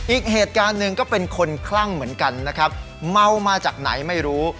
อีกเหตุการณ์หนึ่งก็เป็นคนคลั่งเหมือนกันนะครับเมามาจากไหนไม่รู้